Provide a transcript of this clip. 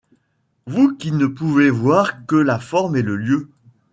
Vous qui ne pouvez voir que-la forme et le lieu